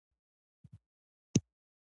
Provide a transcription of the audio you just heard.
د ښوونځي سوځول راتلونکی سوځول دي.